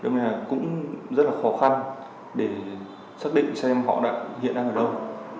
nên cũng rất là khó khăn để xác định xem họ hiện đang ở đâu